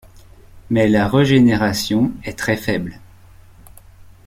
Mais la regénération est très faible.